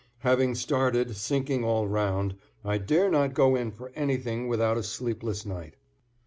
Having started sinking all round, I dare not go in for anything without a sleepless night.